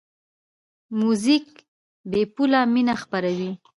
موزیک بېپوله مینه خپروي.